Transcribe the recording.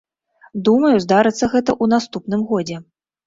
Думаю, здарыцца гэта ў наступным годзе.